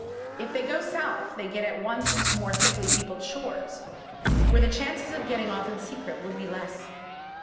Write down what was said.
If they go south they get at once into more thickly peopled shores, where the chances of getting off in secret would be less.